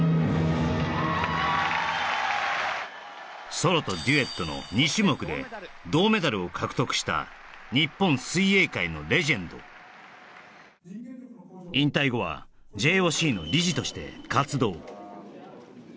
ソロとデュエットの２種目で銅メダルを獲得した日本水泳界のレジェンド引退後はＪＯＣの理事として活動